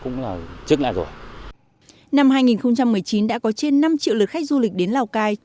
năm hai nghìn một mươi chín đã có trên năm triệu lượt khách du lịch đến lào cai